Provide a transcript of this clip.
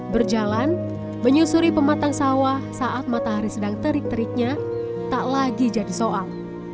berjalan menyusuri pematang sawah saat matahari sedang terik teriknya tak lagi jadi soal